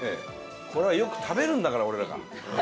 これはよく食べるんだから俺らが。